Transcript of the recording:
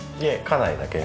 家内だけ。